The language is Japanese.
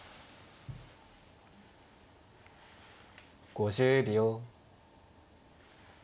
５０秒。